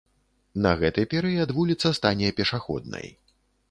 На гэты перыяд вуліца стане пешаходнай.